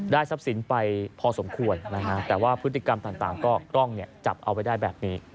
ทรัพย์สินไปพอสมควรนะฮะแต่ว่าพฤติกรรมต่างก็กล้องจับเอาไว้ได้แบบนี้